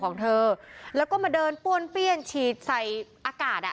ของเธอแล้วก็มาเดินป้วนเปี้ยนฉีดใส่อากาศอ่ะ